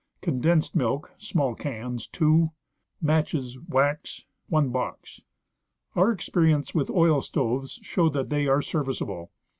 Condensed milk (small cans) Matches (wax) Our experience with oil stoves showed that they are service able.